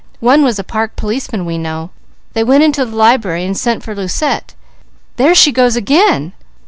One was a park policeman we know. They went into the library and sent for Lucette. There she goes again!"